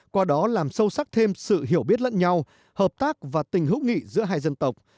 qua đó làm sâu sắc thêm sự hiểu biết lẫn nhau hợp tác và tình hữu nghị giữa hai dân tộc